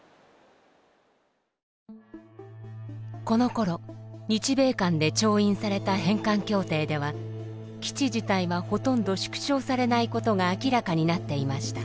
このころ日米間で調印された返還協定では基地自体はほとんど縮小されないことが明らかになっていました。